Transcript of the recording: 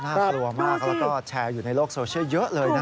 กลัวมากแล้วก็แชร์อยู่ในโลกโซเชียลเยอะเลยนะ